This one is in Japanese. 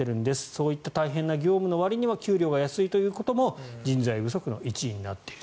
そういった大変な業務のわりには給料が安いということも人材不足の一因になっている。